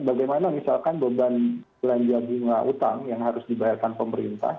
bagaimana misalkan beban belanja bunga utang yang harus dibayarkan pemerintah